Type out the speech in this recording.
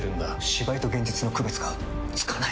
芝居と現実の区別がつかない！